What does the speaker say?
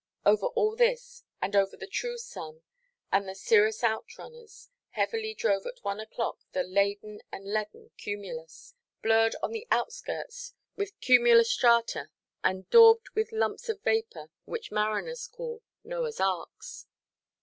Over all this, and over the true sun and the cirrhous outrunners, heavily drove at one oʼclock the laden and leaden cumulus, blurred on the outskirts with cumulostrate, and daubed with lumps of vapour which mariners call "Noahʼs arks."